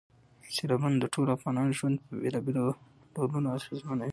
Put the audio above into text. سیلابونه د ټولو افغانانو ژوند په بېلابېلو ډولونو اغېزمنوي.